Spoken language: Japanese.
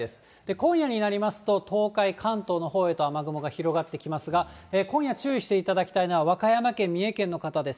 今夜になりますと、東海、関東のほうへと雨雲が広がってきますが、今夜注意していただきたいのは、和歌山県、三重県の方です。